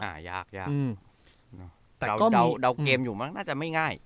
จะมีเดาเกมอยู่มัครับมักจะไม่ง่าย